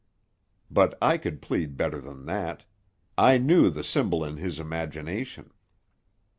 But I could plead better than that. I knew the symbol in his imagination.